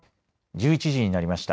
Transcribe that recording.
１１時になりました。